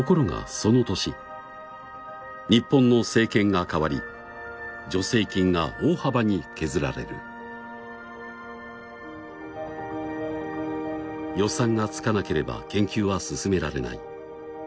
その年日本の政権が代わり助成金が大幅に削られる予算がつかなければ研究は進められない